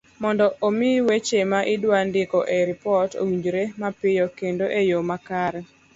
mondo omi weche ma idwa ndiko e ripot owinjore mapiyo kendo e yo makare